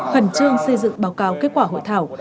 hẳn chương xây dựng báo cáo kết quả hội thảo